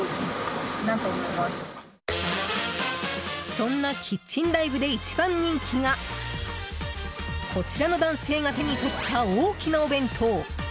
そんなキッチンＤＩＶＥで一番人気がこちらの男性が手に取った大きなお弁当。